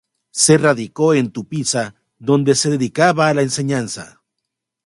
Se radicó en Tupiza, donde se dedicaba a la enseñanza.